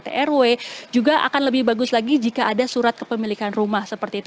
jika kita menandatangani oleh rt rw juga akan lebih bagus lagi jika ada surat kepemilikan rumah seperti itu